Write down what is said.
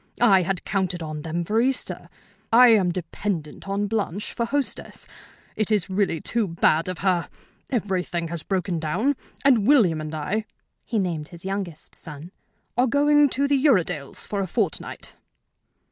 I had counted on them for Easter. I am dependent on Blanche for hostess. It is really too bad of her. Everything has broken down, and William and I (he named his youngest son) are going to the Uredales' for a fortnight."